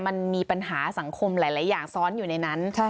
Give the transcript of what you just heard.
มันมีปัญหาสังคมหลายอย่างซ้อนอยู่ในนั้น